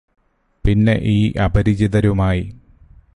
പിന്നെ ഈ അപരിചിതരുമായി